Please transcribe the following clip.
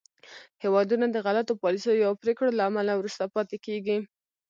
هېوادونه د غلطو پالیسیو او پرېکړو له امله وروسته پاتې کېږي